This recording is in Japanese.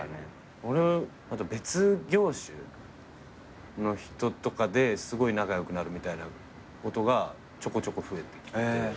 俺別業種の人とかですごい仲良くなるみたいなことがちょこちょこ増えてきてて。